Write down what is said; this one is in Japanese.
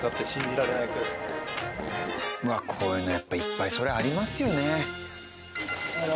こういうのやっぱいっぱいそりゃありますよね。